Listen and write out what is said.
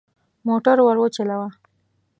موټر ورو چلوه.